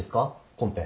コンペ。